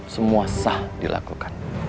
semua sah dilakukan